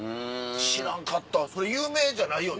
知らんかったそれ有名じゃないよね？